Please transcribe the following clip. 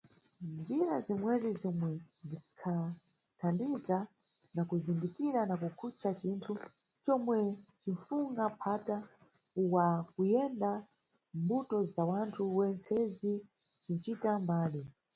Njira zimwezi zomwe zinʼkanthaniza na kuzindikira na kukhucha cinthu comwe cinʼfunga mpata wa kuyenda mʼmbuto za wanthu wentsezi zinʼcita mbali.